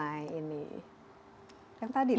yang tadi tuh disebut